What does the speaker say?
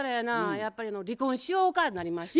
やっぱり離婚しようかなりまして。